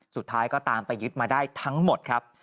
สุดท้ายก็ตามไปยึดมาได้ทั้งหมดครับ